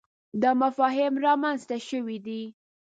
دا مفاهیم رامنځته شوي دي.